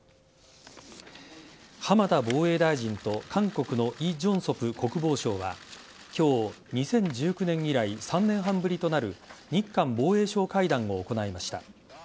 浜田防衛大臣と韓国のイ・ジョンソプ国防相は今日、２０１９年以来３年半ぶりとなる日韓防衛相会談を行いました。